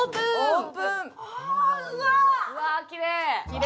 うわ、きれい！